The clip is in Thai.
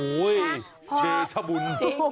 โอยเชชบุน